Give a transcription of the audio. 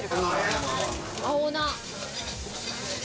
青菜。